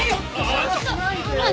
邪魔しないでよ。